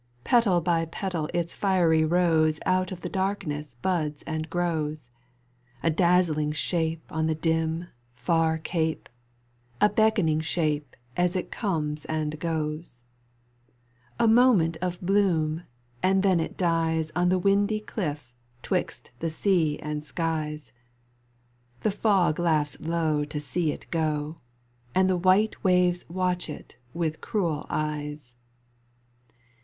Petal by petal its fiery rose Out of the darkness buds and grows; A dazzling shape on the dim, far cape, A beckoning shape as it comes and goes. A moment of bloom, and then it dies On the windy cliff 'twixt the sea and skies. The fog laughs low to see it go, And the white waves watch it with cruel eyes.